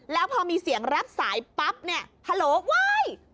แล้วพอมีเสียงรับสายป๊ับฮาโหลว๊าย